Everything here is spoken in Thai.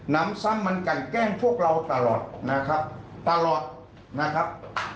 นำซ้ำมันกันแกล้งพวกเราตลอดนะครับตลอดนะครับ